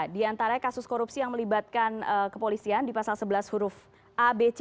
di antara kasus korupsi yang melibatkan kepolisian di pasal sebelas huruf abc